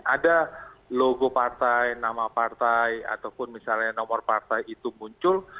ada logo partai nama partai ataupun misalnya nomor partai itu muncul